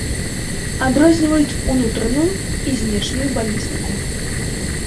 Адрозніваюць ўнутраную і знешнюю балістыку.